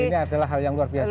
ini adalah hal yang luar biasa